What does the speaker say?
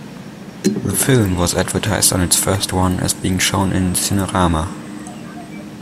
The film was advertised on its first run as being shown in Cinerama.